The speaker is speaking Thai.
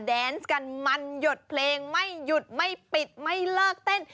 แดนส์กันมันหยดเพลงไม่หยุดไม่ปิดไม่เลิกเต้น